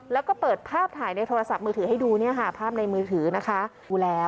แล้วก็เปิดภาพถ่ายในโทรศัพท์มือถือให้ดูภาพในมือถือนะคะ